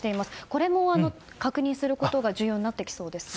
これも確認することが重要になってきそうですか？